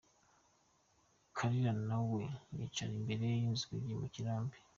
Kalira na we yicara imbere y’inzugi mu kirambi.